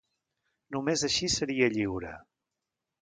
Només així seria lliure.